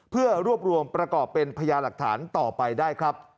เพื่อรวบรวมประกอบเป็นพญาหลักฐานต่อไปได้ครับ